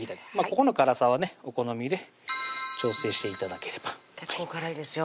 ここの辛さはねお好みで調整して頂ければ結構辛いですよ